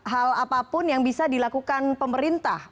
hal apapun yang bisa dilakukan pemerintah